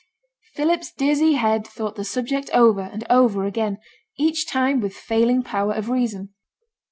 Philip's dizzy head thought the subject over and over again, each time with failing power of reason.